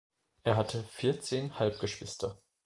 Er hatte vierzehn Halbgeschwister.